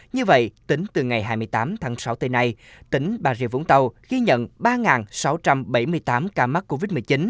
như vậy tính từ ngày hai mươi tám tháng sáu tới nay tỉnh bà rịa vũng tàu ghi nhận ba sáu trăm bảy mươi tám ca mắc covid một mươi chín